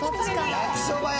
焼そばや！